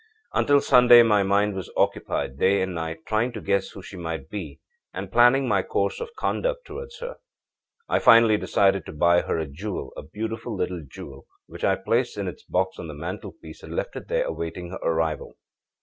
âUntil Sunday my mind was occupied day and night trying to guess who she might be and planning my course of conduct towards her. I finally decided to buy her a jewel, a beautiful little jewel, which I placed in its box on the mantelpiece, and left it there awaiting her arrival.